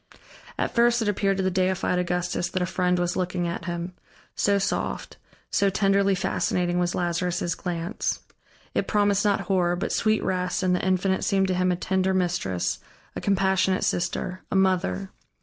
At first it appeared to the deified Augustus that a friend was looking at him, so soft, so tenderly fascinating was Lazarus' glance. It promised not horror, but sweet rest and the Infinite seemed to him a tender mistress, a compassionate sister, a mother.